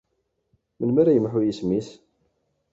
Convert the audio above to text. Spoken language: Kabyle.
Melmi ara yemḥu yisem-is?